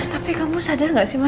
tapi kamu sadar gak sih mas